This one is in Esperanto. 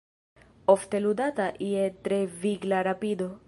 Ofte ludata je tre vigla rapido.